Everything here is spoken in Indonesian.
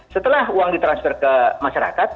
setelah uang ditransfer ke masyarakat